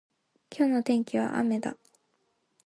今日の天気は雨だ。